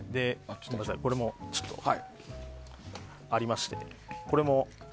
これもありまして。